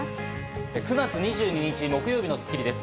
９月２２日、木曜日の『スッキリ』です。